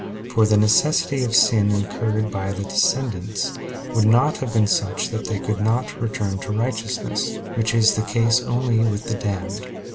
For the necessity of sin incurred by the descendants would not have been such that they could not return to righteousness, which is the case only with the damned.